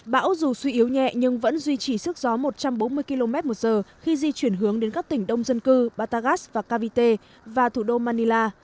bão dù suy yếu nhẹ nhưng vẫn duy trì sức gió một trăm bốn mươi km một giờ khi di chuyển hướng đến các tỉnh đông dân cư batagas và caviete và thủ đô manila